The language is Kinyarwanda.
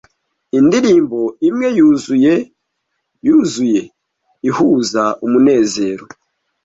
Indirimbo imwe yuzuye yuzuye ihuza umunezero.